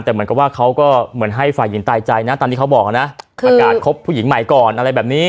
แต่เหมือนกับว่าเขาก็เหมือนให้ฝ่ายหญิงตายใจนะตามที่เขาบอกนะประกาศคบผู้หญิงใหม่ก่อนอะไรแบบนี้